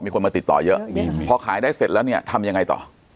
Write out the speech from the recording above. คนมาติดต่อเยอะพอขายได้เสร็จแล้วเนี่ยทำยังไงต่อ